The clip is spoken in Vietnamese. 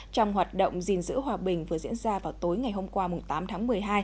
trong hoạt động gìn giữ hòa bình vừa diễn ra vào tối ngày hôm qua tám tháng một mươi hai